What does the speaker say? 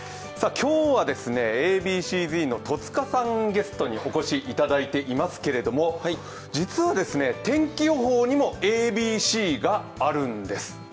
今日はＡ．Ｂ．Ｃ−Ｚの戸塚さんにゲストにお越しいただいていますが実は、天気予報にもＡ．Ｂ．Ｃがあるんです。